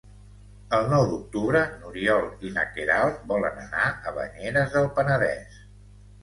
El nou d'octubre n'Oriol i na Queralt volen anar a Banyeres del Penedès.